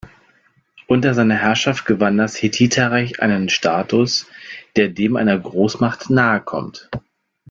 Unter seiner Herrschaft gewann das Hethiterreich einen Status, der dem einer Großmacht nahekommt.